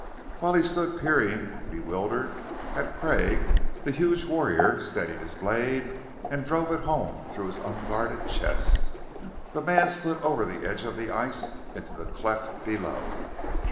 While he stood peering, bewildered, at Craig, the huge warrior steadied his blade and drove it home through his unguarded chest. The man slid over the edge of the ice into the cleft below.